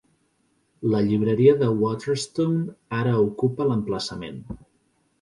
La llibreria de Waterstone ara ocupa l"emplaçament.